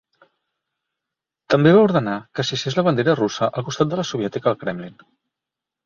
També va ordenar que s'hissés la bandera russa al costat de la soviètica al Kremlin.